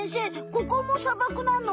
ここも砂漠なの？